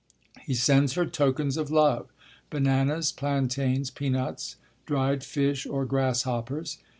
He sends her tokens of love, bananas, plantains, peanuts, dried fish or grasshoppers.